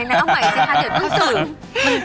เอาใหม่สิคะเดี๋ยวต้องสืบ